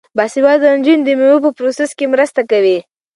باسواده نجونې د میوو په پروسس کې مرسته کوي.